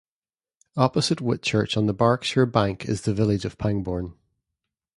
Opposite Whitchurch on the Berkshire bank is the village of Pangbourne.